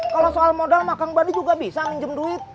kalau soal modal mah kang bandi juga bisa nginjem duit